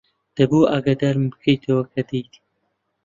دەبوو ئاگادارمان بکەیتەوە کە دێیت.